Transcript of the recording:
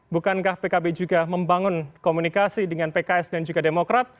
bukankah pkb juga membangun komunikasi dengan pks dan juga demokrat